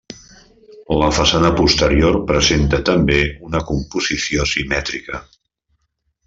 La façana posterior presenta també una composició simètrica.